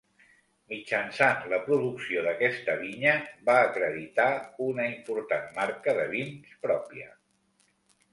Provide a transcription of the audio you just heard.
Mitjançant la producció d'aquesta vinya va acreditar una important marca de vins pròpia.